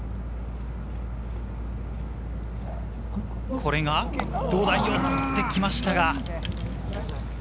これがどうだ、寄ってきましたが。